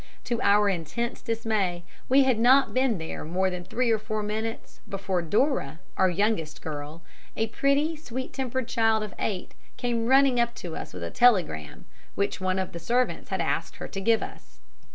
To our intense dismay, we had not been there more than three or four minutes, before Dora, our youngest girl, a pretty, sweet tempered child of eight, came running up to us with a telegram, which one of the servants had asked her to give us.